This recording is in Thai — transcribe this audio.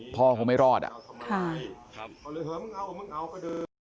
พ่อเขาไม่รอดค่ะเอาเลยเผินเอามึงเอาก็เดิน